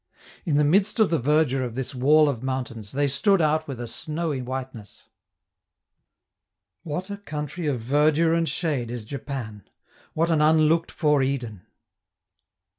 In the midst of the verdure of this wall of mountains, they stood out with a snowy whiteness. What a country of verdure and shade is Japan; what an unlooked for Eden!